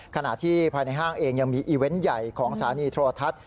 ขณะที่ภายในห้างเองยังมีอีเวนต์ใหญ่ของสถานีโทรทัศน์